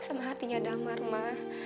sama hatinya damar ma